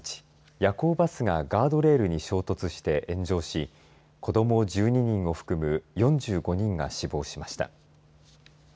夜行バスがガードレールに衝突して炎上しこども１２人を含む４５人が死亡しました。